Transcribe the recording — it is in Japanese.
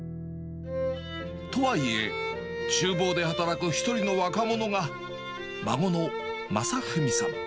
とはいえ、ちゅう房で働く１人の若者が、孫の匡史さん。